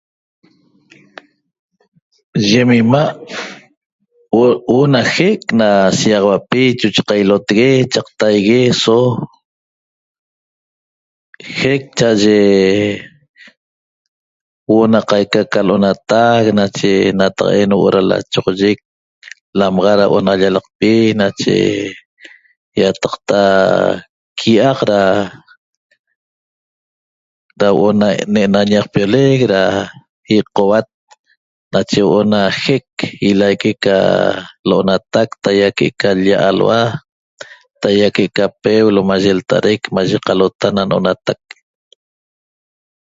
Yem ima' huo'o na jec na shigaxauapi chochaq qailotegue' taigue so jec cha'aye huo'o na qaica ca lo'onatac nache nataqa'en huo'o ra lachoxoyec lamaxa ra huo'o na llalaqpi nache iataqta quiaq ra huo'o na ne'ena ñaqpiolec ra iqouat nache huo'o na jec ilaque ca lo'onatac taia l-lla alhua taia que'eca peeulo lta'araic qalota na no'onatac